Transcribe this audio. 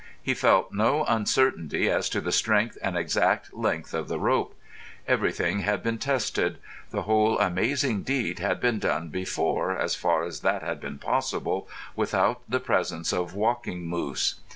He felt no uncertainty as to the strength and exact length of the rope. Everything had been tested; the whole amazing deed had been done before, as far as that had been possible without the presence of Walking Moose.